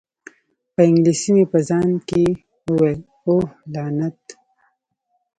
په انګلیسي مې په ځان کې وویل: اوه، لعنت!